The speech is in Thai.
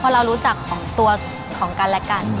เรารู้จักของตัวของกันและกัน